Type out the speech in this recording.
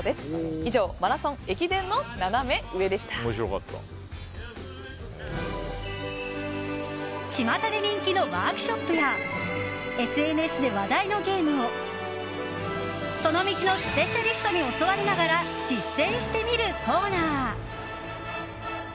以上、マラソン・駅伝のちまたで人気のワークショップやＳＮＳで話題のゲームをその道のスペシャリストに教わりながら実践してみるコーナー